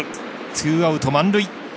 ツーアウト、満塁。